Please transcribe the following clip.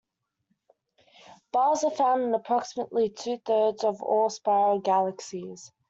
Bars are found in approximately two-thirds of all spiral galaxies.